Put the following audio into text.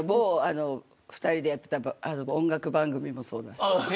某、２人でやっていた音楽番組もそうだし。